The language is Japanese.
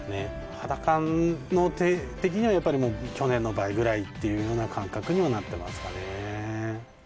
肌感的にはやっぱり去年の倍ぐらいっていうような感覚にはなってますかね。